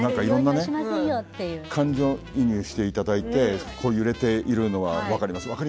いろんな感情移入をしていただいて揺れているのは分かります